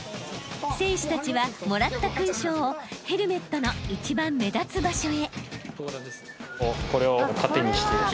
［選手たちはもらった勲章をヘルメットの一番目立つ場所へ］